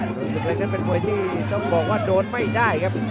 ส่วนศึกเล็กนั้นเป็นมวยที่ต้องบอกว่าโดนไม่ได้ครับ